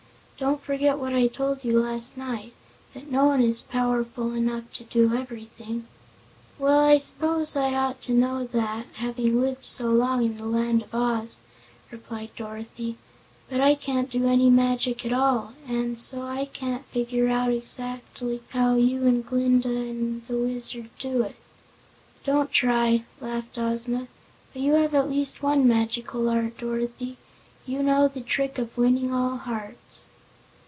Don't forget what I told you last night, that no one is powerful enough to do everything." "Well, I s'pose I ought to know that, having lived so long in the Land of Oz," replied Dorothy; "but I can't do any magic at all, an' so I can't figure out e'zactly how you an' Glinda an' the Wizard do it." "Don't try," laughed Ozma. "But you have at least one magical art, Dorothy: you know the trick of winning all hearts."